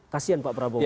kasian pak prabowo